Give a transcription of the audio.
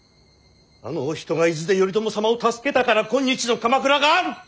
あのお人が伊豆で頼朝様を助けたから今日の鎌倉がある！